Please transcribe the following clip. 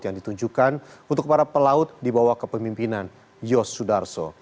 yang ditunjukkan untuk para pelaut dibawah kepemimpinan yos sudarso